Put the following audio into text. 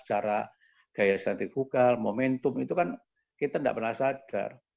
cara gaya santikual momentum itu kan kita tidak pernah sadar